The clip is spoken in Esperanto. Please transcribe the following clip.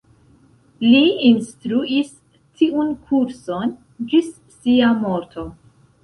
Li instruis tiun kurson ĝis sia morto.